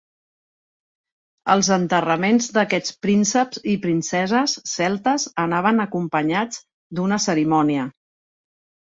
Els enterraments d'aquests prínceps i princeses celtes anaven acompanyats d'una cerimònia.